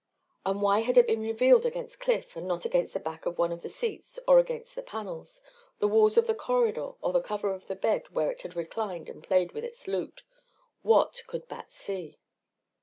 But why had it been revealed against Cliff and not against the back of one of the seats or against the panels, the walls of the corridor or the cover of the bed where it had reclined and played with its loot? What could Bat see?